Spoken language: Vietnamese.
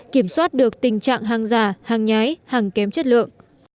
kiểm soát được tình trạng hàng giả hàng nhái hàng kém chất lượng